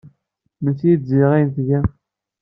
Mlet-iyi-d ziɣ ayen tgam.